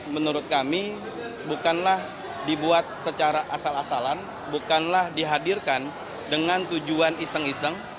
menurut kami bukanlah dibuat secara asal asalan bukanlah dihadirkan dengan tujuan iseng iseng